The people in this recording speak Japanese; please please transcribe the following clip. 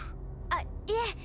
あっいえ。